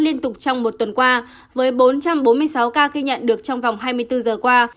liên tục trong một tuần qua với bốn trăm bốn mươi sáu ca ghi nhận được trong vòng hai mươi bốn giờ qua